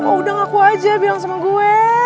oh udah ngaku aja bilang sama gue